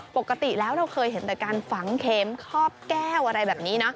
ปกติแล้วเราเคยเห็นแต่การฝังเข็มคอบแก้วอะไรแบบนี้นะ